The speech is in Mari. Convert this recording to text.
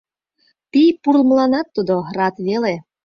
Пий пурлмыланат тудо рат веле.